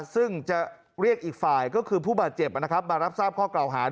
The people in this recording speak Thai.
ซึ่งจะเรียกอีกฝ่ายก็คือผู้บาดเจ็บมารับทราบข้อกล่าวหา